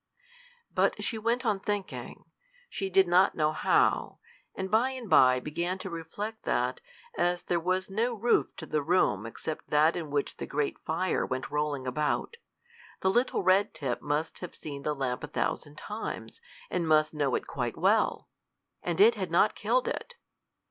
But she went on thinking she did not know how; and by and by began to reflect that, as there was no roof to the room except that in which the great fire went rolling about, the little Red tip must have seen the lamp a thousand times, and must know it quite well! and it had not killed it!